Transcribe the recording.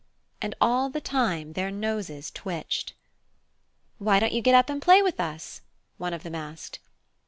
And all the time their noses twitched. "Why don't you get up and play with us?" one of them asked.